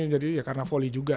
jadi ya karena volley juga